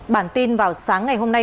bản tin vào sáng ngày hôm nay